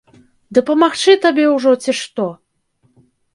Дапамагчы табе ўжо, ці што?